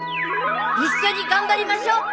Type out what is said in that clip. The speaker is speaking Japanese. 一緒に頑張りましょ！